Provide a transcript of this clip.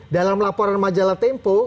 dalam laporan majalah tempo